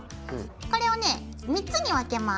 これをね３つに分けます。